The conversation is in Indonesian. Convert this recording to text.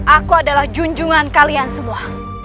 aku adalah junjungan kalian semua